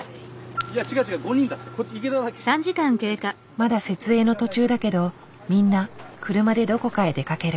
まだ設営の途中だけどみんな車でどこかへ出かける。